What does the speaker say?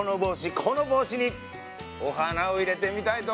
この帽子にお花を入れてみたいと思います。